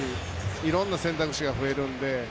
いろんな選択肢が増えるので。